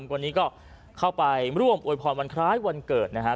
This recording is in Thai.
วันนี้เข้าไปร่วมโอยภรณะวันคล้ายวันเกิดนะครับ